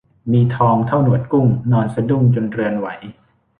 มีทองเท่าหนวดกุ้ง นอนสะดุ้งจนเรือนไหว